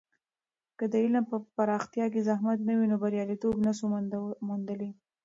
که د علم په پراختیا کې زحمت نه وي، نو بریالیتوب نسو موندلی.